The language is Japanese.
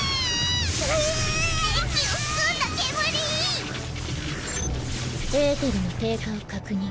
電気を含んだ煙⁉エーテルの低下を確認